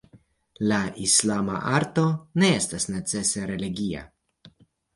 La islama arto ne estas necese religia.